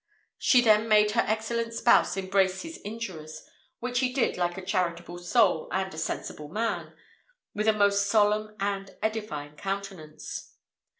She then made her excellent spouse embrace his injurers, which he did like a charitable soul and a sensible man, with a most solemn and edifying countenance.